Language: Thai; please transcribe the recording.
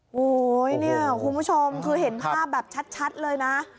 โอ้โหเนี่ยคุณผู้ชมคือเห็นภาพแบบชัดเลยนะ